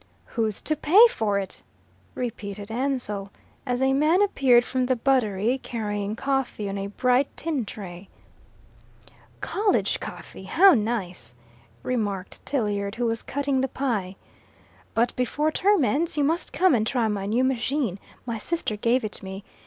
"Who's to pay for it?" repeated Ansell, as a man appeared from the Buttery carrying coffee on a bright tin tray. "College coffee! How nice!" remarked Tilliard, who was cutting the pie. "But before term ends you must come and try my new machine. My sister gave it me.